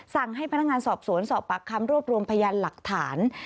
สั่งให้พนักงานสอบสวนสอบปากคำรวบรวมพยานหลักฐาน